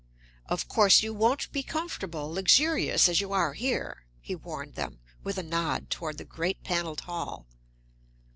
"Of course you won't be comfortable, luxurious, as you are here," he warned them, with a nod toward the great paneled hall.